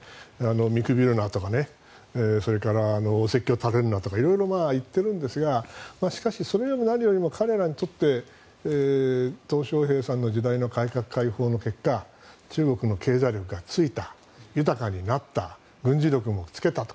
見くびるなとかそれから、説教垂れるなとか色々、言ってるんですがしかし、それより何より彼らにとってトウ・ショウヘイさんの時代の改革開放の結果中国の経済力がついた豊かになった軍事力もつけたと。